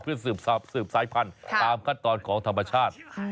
เพื่อสืบสายพันธุ์ตามขั้นตอนของธรรมชาติ